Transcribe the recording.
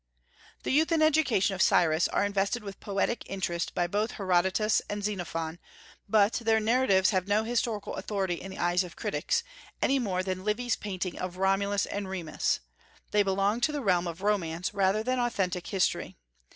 The youth and education of Cyrus are invested with poetic interest by both Herodotus and Xenophon, but their narratives have no historical authority in the eyes of critics, any more than Livy's painting of Romulus and Remus: they belong to the realm of romance rather than authentic history.